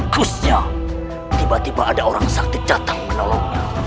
harusnya tiba tiba ada orang sakti jatah menolongnya